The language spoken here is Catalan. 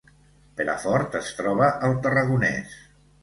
Perafort es troba al Tarragonès